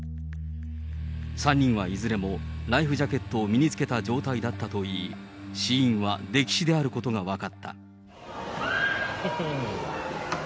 ３人はいずれもライフジャケットを身につけた状態だったといい、死因は溺死であることが分かった。